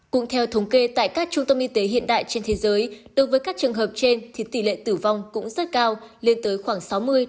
cũng theo thống kê tại các trung tâm y tế hiện đại trên thế giới đối với các trường hợp trên thì tỷ lệ tử vong cũng rất cao lên tới khoảng sáu mươi ba mươi